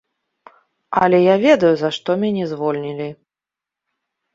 Але я ведаю, за што мяне звольнілі.